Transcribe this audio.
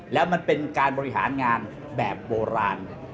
แล้วมันเป็นการบริหารงานแบบโบราณ